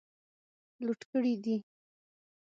لوټ کړي دي.